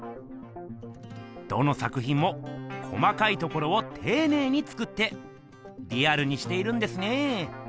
どの作ひんも細かいところをていねいに作ってリアルにしているんですね。